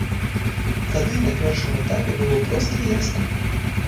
Тады, на першым этапе, было проста і ясна.